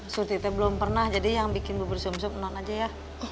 seperti itu belum pernah jadi yang bikin bubur sum sum non aja ya